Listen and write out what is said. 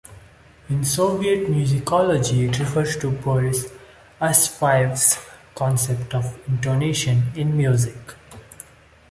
In Soviet musicology, it refers to Boris Asafiev's concept of intonation in music.